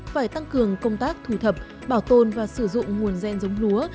phải tăng cường công tác thủ thập bảo tồn và sử dụng nguồn ren giống lúa